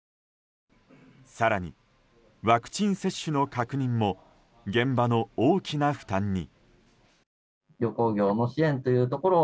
更に、ワクチン接種の確認も現場の大きな負担に。